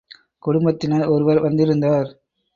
குடும்பத்தினர் ஒருவர் வந்திருந்தார்.